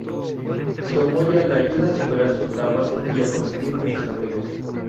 Tomoya le ayuda a superar sus traumas y a conseguir muchos amigos.